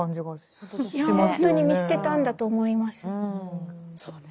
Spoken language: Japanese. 本当に見捨てたんだと思います。